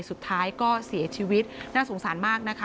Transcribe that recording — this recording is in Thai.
สุดท้ายก็เสียชีวิตน่าสงสารมากนะคะ